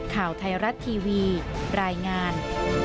ข่าวไทยรัฐทีวีรายงาน